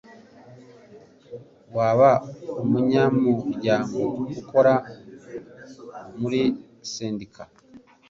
Waba umunyamuryango ukora muri sendika?